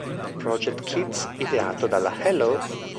Project Kids ideato dalla Hello!